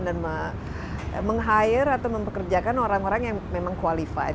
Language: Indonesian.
dan meng hire atau mempekerjakan orang orang yang memang qualified